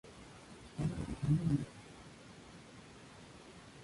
Simba se enfrenta a ella y salva a su amigo.